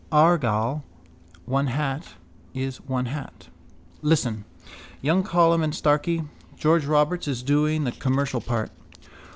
Argal, one hat is one hat. Listen. Young Colum and Starkey. George Roberts is doing the commercial part.